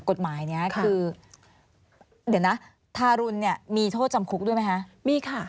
กฎหมายนี้คือเดี๋ยวนะทารุณเนี่ยมีโทษจำคุกด้วยไหมคะมีค่ะ